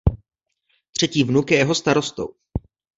Třetí vnuk je jeho starostou.